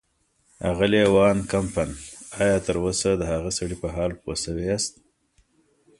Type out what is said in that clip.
اغلې وان کمپن، ایا تراوسه د هغه سړي په حال پوه شوي یاست.